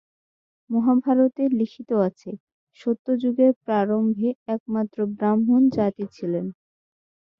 মহাভারতে লিখিত আছে সত্যযুগের প্রারম্ভে একমাত্র ব্রাহ্মণ জাতি ছিলেন।